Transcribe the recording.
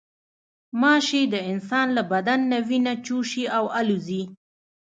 غوماشې د انسان له بدن نه وینه چوشي او الوزي.